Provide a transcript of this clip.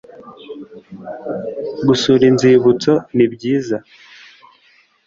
gusura inzibutso ni byiza